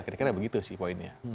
kira kira begitu sih poinnya